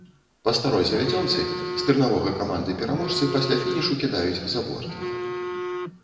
Па старой завядзёнцы, стырнавога каманды-пераможцы пасля фінішу кідаюць за борт.